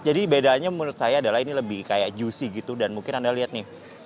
jadi bedanya menurut saya adalah ini lebih kayak juicy gitu dan mungkin anda lihat nih